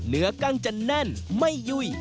เนื้อกล้างจะแน่นไม่ยุ่ย